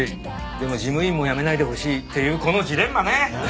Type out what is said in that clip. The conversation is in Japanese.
でも事務員も辞めないでほしいっていうこのジレンマね！